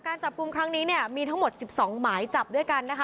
จับกลุ่มครั้งนี้เนี่ยมีทั้งหมด๑๒หมายจับด้วยกันนะคะ